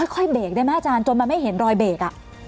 ค่อยเบรกได้ไหมอาจารย์จนมันไม่เห็นรอยเบรก